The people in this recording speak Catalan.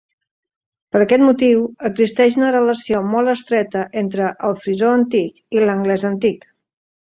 Per aquest motiu, existeix una relació molt estreta entre el frisó antic i l'anglès antic.